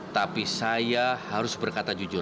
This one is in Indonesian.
tapi saya harus berkata jujur